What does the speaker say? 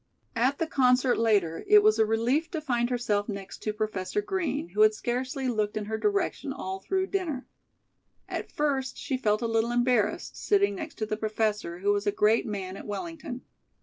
At the concert later it was a relief to find herself next to Professor Green, who had scarcely looked in her direction all through dinner. At first she felt a little embarrassed, sitting next to the Professor, who was a great man at Wellington.